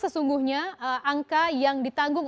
sesungguhnya angka yang ditanggung